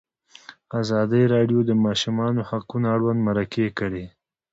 ازادي راډیو د د ماشومانو حقونه اړوند مرکې کړي.